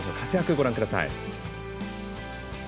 ご覧ください。